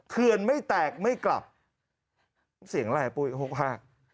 เขื่อนไม่แตกไม่กลับเสียงอะไรปุ้ยก็หกฮาก